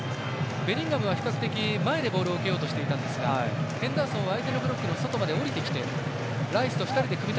ベリンガムは比較的前でボールを受けようとしていたんですがヘンダーソンは相手のブロックの外まで下りてきています。